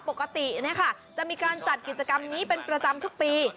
ปกติจะมีการจัดกิจกรรมนี้เป็นประจำทุกปี